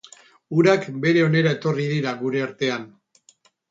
Urak bere onera etorri dira gure artean.